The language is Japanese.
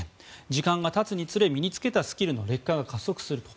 時間が経つにつれ身につけたスキルの劣化が加速すると。